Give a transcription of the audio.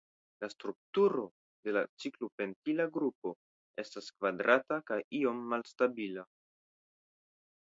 La strukturo de la ciklopentila grupo estas kvadrata kaj iom malstabila.